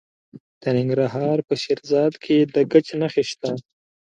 د ننګرهار په شیرزاد کې د ګچ نښې شته.